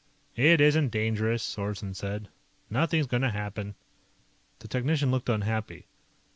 "It isn't dangerous," Sorensen said. "Nothing's going to happen." The technician looked unhappy.